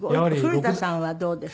古田さんはどうですか？